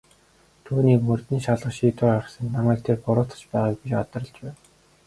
Түүнийг мөрдөн шалгах шийдвэр гаргасанд намайг тэр буруутгаж байгааг би гадарлаж байв.